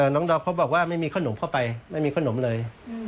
น้องดอมเขาบอกว่าไม่มีขนมเข้าไปไม่มีขนมเลย